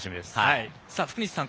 福西さん